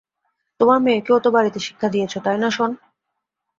তোমার মেয়েকেও তো বাড়িতে শিক্ষা দিয়েছো, তাই না, শন?